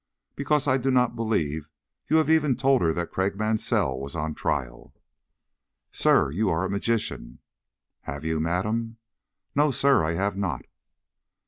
"Because I do not believe you have even told her that Craik Mansell was on trial." "Sir, you are a magician." "Have you, madam?" "No, sir, I have not."